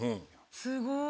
すごい！